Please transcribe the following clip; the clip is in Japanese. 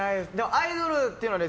アイドルっていうので